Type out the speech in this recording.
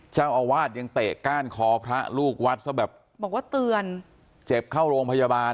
เจ้าอาวาสยังเตะก้านคอพระลูกวัดซะแบบบอกว่าเตือนเจ็บเข้าโรงพยาบาล